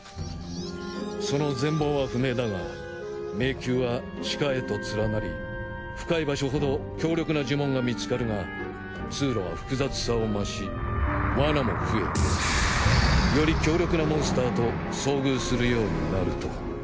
その全貌は不明だが迷宮は地下へと連なり深い場所ほど強力な呪文が見つかるが通路は複雑さを増し罠も増えより強力なモンスターと遭遇するようになると。